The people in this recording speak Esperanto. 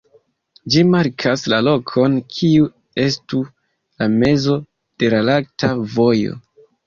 Ĝi markas la lokon kiu estu la mezo de la Lakta Vojo.